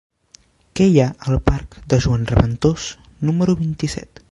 Què hi ha al parc de Joan Reventós número vint-i-set?